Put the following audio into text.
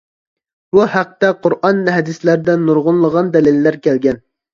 بۇ ھەقتە قۇرئان ھەدىسلەردە نۇرغۇنلىغان دەلىللەر كەلگەن.